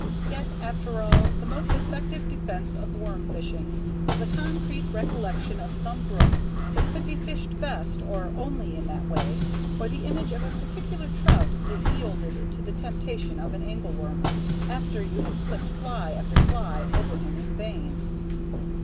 Yet, after all, the most effective defense of worm fishing is the concrete recollection of some brook that could be fished best or only in that way, or the image of a particular trout that yielded to the temptation of an angleworm after you had flicked fly after fly over him in vain.